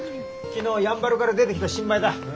昨日やんばるから出てきた新米だ。